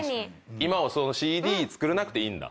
今はＣＤ作らなくていいんだ。